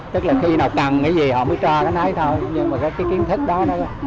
tức là khi nào cần cái gì họ mới cho cái này thôi nhưng mà cái kiến thức đó thôi